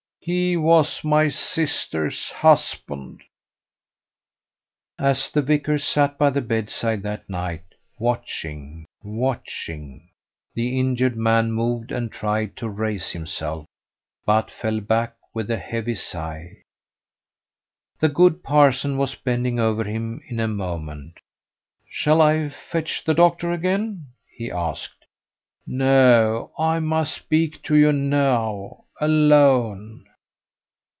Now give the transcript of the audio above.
He was my sister's husband." As the vicar sat by the bedside that night watching, watching, the injured man moved and tried to raise himself, but fell back with a heavy sigh. The good parson was bending over him in a moment. "Shall I fetch the doctor again?" he asked. "No; I must speak to you now, alone."